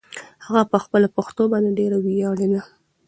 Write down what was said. هغه په خپله پښتو باندې ډېره ویاړېده.